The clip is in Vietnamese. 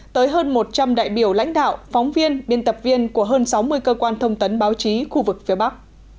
tới hơn một trăm linh đại biểu lãnh đạo phóng viên biên tập viên của hơn sáu mươi cơ quan thông tấn báo chí khu vực phía bắc